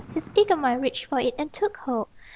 His eager mind reached for it and took hold.